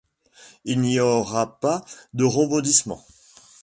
Il n'y aura pas de rebondissement.